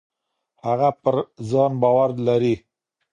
هغه پر ځان باور لري.